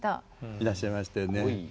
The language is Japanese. いらっしゃいましたよね。